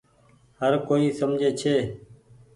هر ڪوئي سمجهي ڇي۔